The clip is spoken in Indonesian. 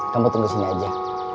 kamu tunggu sini aja